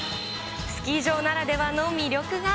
スキー場ならではの魅力が。